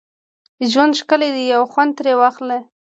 ژوند ښکلی دی او خوند ترې واخله